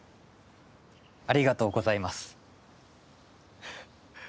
ありがとうございます。